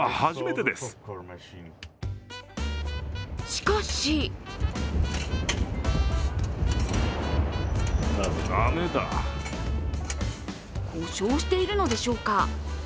しかし故障しているのでしょうか。